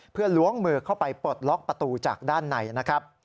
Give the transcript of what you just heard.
เพื่อล้วงมือเข้าไปปลดล็อกประตูจากด้านในนะครับ